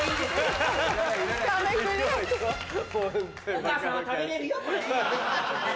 お母さんは食べれるよ。